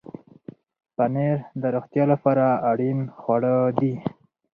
پنېر د روغتیا لپاره اړین خواړه دي.